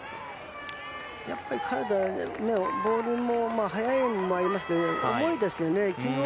カルダ、ボールが速いのもありますけど重いですよね。